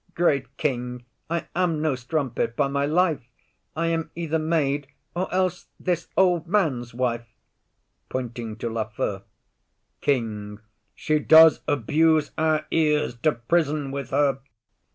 Great King, I am no strumpet, by my life; I am either maid, or else this old man's wife. [Pointing to Lafew.] KING. She does abuse our ears; to prison with her.